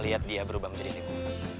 lihat dia berubah menjadi ibu